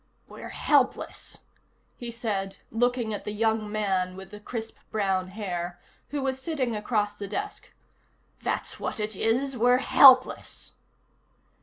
"We're helpless," he said, looking at the young man with the crisp brown hair who was sitting across the desk. "That's what it is, we're helpless."